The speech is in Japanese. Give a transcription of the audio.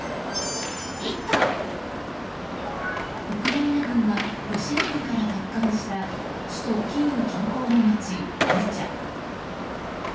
ウクライナ軍がロシア軍から奪還した首都キーウ近郊の街ブチャ。